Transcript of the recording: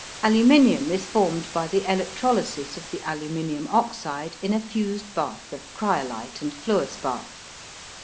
Aluminum is formed by the electrolysis of the aluminum oxide in a fused bath of cryolite and fluorspar.